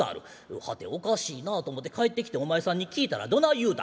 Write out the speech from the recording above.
はておかしいなあと思て帰ってきてお前さんに聞いたらどない言うた。